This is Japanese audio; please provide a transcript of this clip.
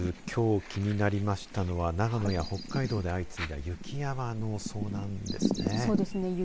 きょう、気になりましたのは長野や北海道で相次いだ雪山の遭難ですね。